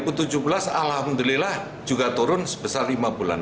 untuk remisi dua ribu tujuh belas alhamdulillah juga turun sebesar lima bulan